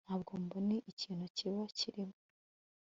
ntabwo mbona ikintu kibi kirimo